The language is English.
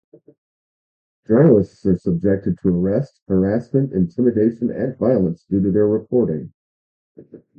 Journalists are subjected to arrest, harassment, intimidation, and violence due to their reporting.